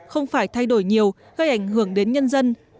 không phải thay đổi nhiều gây ảnh hưởng đến nhân dân